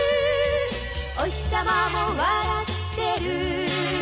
「おひさまも笑ってる」